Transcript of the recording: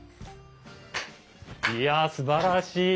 いやすばらしい。